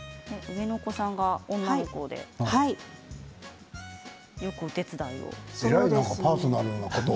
上のお子さんが女の子でよくお手伝いをすると。